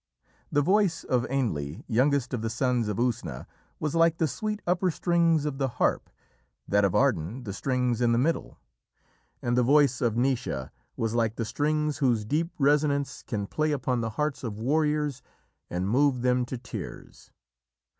The voice of Ainle, youngest of the Sons of Usna, was like the sweet upper strings of the harp, that of Ardan the strings in the middle, and the voice of Naoise was like the strings whose deep resonance can play upon the hearts of warriors and move them to tears.